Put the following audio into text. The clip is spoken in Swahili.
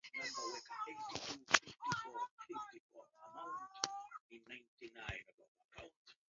von Zelewski aliongoza kikosi cha maafisa Wajerumani kumi na tatu na askari Waafrika hasa